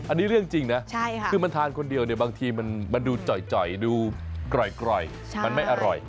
อันนี้เรื่องจริงนะคือมันทานคนเดียวเนี่ยบางทีมันดูจ่อยดูกร่อยมันไม่อร่อย